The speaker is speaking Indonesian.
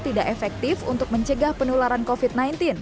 tidak efektif untuk mencegah penularan covid sembilan belas